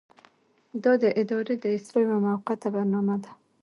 دا د ادارې د اصلاح یوه موقته برنامه ده.